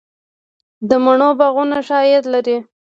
د مڼو باغونه ښه عاید لري؟